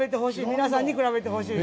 皆さんに比べてほしいです。